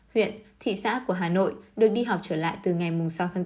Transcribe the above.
huyện thị xã của hà nội được đi học trở lại từ ngày sáu tháng chín